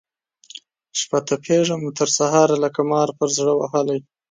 شپه تپېږم تر سهاره لکه مار پر زړه وهلی